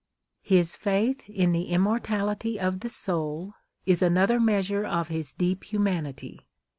His faith in the immortality of the soul is another measure of his deep Immanity.